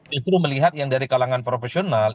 justru melihat yang dari kalangan profesional